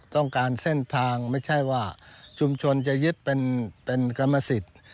ต้องการเส้นทางไม่ใช่ว่าชุมชนจะยึดเป็นกรรมสิทธิ์